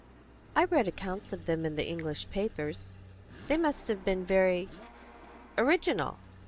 "I read accounts of them in the English papers. They must have been very original.